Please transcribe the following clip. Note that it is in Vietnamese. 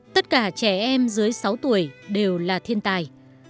tất cả trẻ em dưới sáu tuổi đều là thiên tài